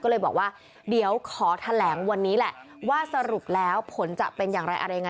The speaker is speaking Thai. ก็เลยบอกว่าเดี๋ยวขอแถลงวันนี้แหละว่าสรุปแล้วผลจะเป็นอย่างไรอะไรยังไง